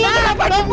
lu kenapa jemput